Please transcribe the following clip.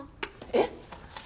えっ！？